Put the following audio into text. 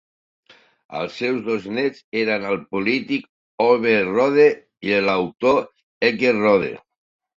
Els seus dos néts eren el polític Ove Rode i l'autor Helge Rode.